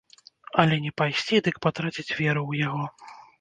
Але не пайсці, дык патраціць веру ў яго.